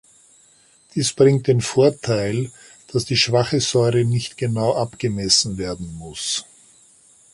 Dies bringt den Vorteil, dass die schwache Säure nicht genau abgemessen werden muss.